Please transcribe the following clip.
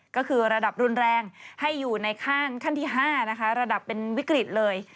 ก็คือระดับรุนแรงให้อยู่ในขั้นที่๕นะคะระดับเป็นวิกฤตเลย